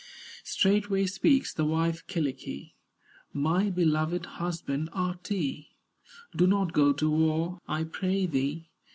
Straightway speaks the wife, Kyllikki: "My beloved husband, Ahti, Do not go to war, I pray thee.